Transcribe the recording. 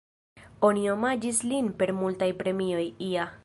Oni omaĝis lin per multaj premioj, ia.